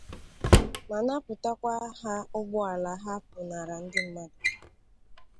ma napụtakwa ha ụgbọala ha pụnaara ndị mmadụ.